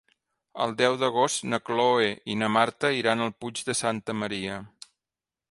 El deu d'agost na Cloè i na Marta iran al Puig de Santa Maria.